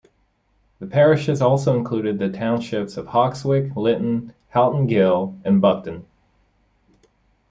The parish also included the townships of Hawkswick, Litton, Halton Gill and Buckden.